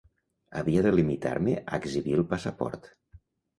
Havia de limitar-me a exhibir el passaport